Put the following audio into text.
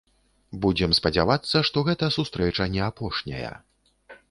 Будзем спадзявацца, што гэта сустрэча не апошняя.